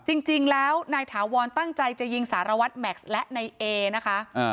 จริงแล้วนายถาวรตั้งใจจะยิงสารวัตรแม็กซ์และนายเอนะคะ